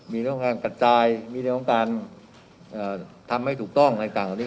มีเรื่องการกระจายมีเรื่องของการทำให้ถูกต้องอะไรต่างเหล่านี้